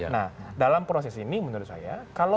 nah dalam proses ini menurut saya